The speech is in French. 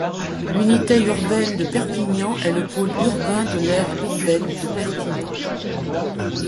L'unité urbaine de Perpignan est le pôle urbain de l'aire urbaine de Perpignan.